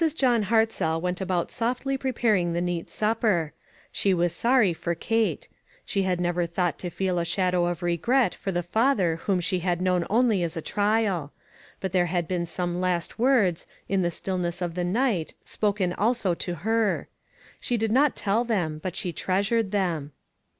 John Hartzell went about softly pre paring the neat supper. She was sorry for Kate. She had never thought to feel a shadow of regret for the father whom she had known only as a trial. But there had been some last words, in the stillness of the night, spoken also to her. She did not tell them, but she treasured them.